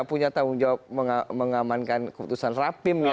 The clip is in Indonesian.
punya tanggung jawab mengamankan keputusan rapim ya